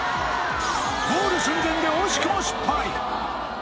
ゴール寸前で惜しくも失敗！